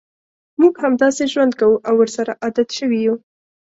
موږ همداسې ژوند کوو او ورسره عادت شوي یوو.